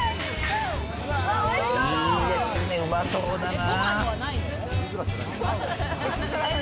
いいですね、うまそうだな。